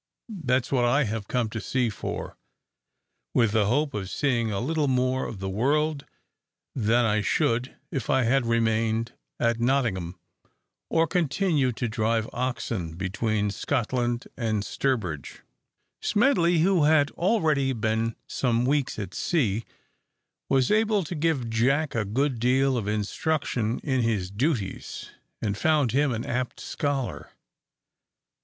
That's what I have come to sea for, with the hope of seeing a little more of the world than I should if I had remained at Nottingham, or continued to drive oxen between Scotland and Stourbridge." Smedley, who had already been some weeks at sea, was able to give Jack a good deal of instruction in his duties, and found him an apt scholar.